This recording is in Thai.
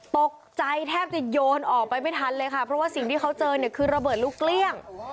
ตกใจแทบจะโยนออกไปไม่ทันเลยค่ะเพราะว่าสิ่งที่เขาเจอเนี่ยคือระเบิดลูกเกลี้ยง